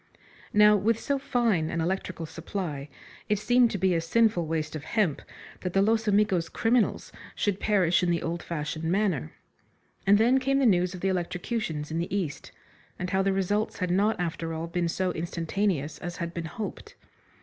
Now, with so fine an electrical supply, it seemed to be a sinful waste of hemp that the Los Amigos criminals should perish in the old fashioned manner. And then came the news of the eleotrocutions in the East, and how the results had not after all been so instantaneous as had been hoped.